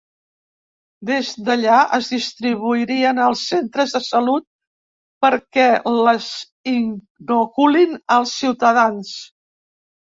Des d’allà, es distribuirien als centres de salut perquè les inoculin als ciutadans.